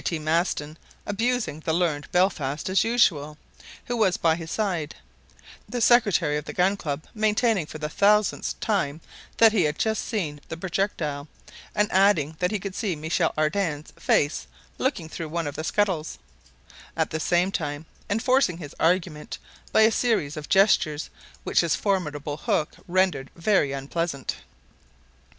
T. Maston abusing the learned Belfast as usual, who was by his side; the secretary of the Gun Club maintaining for the thousandth time that he had just seen the projectile, and adding that he could see Michel Ardan's face looking through one of the scuttles, at the same time enforcing his argument by a series of gestures which his formidable hook rendered very unpleasant.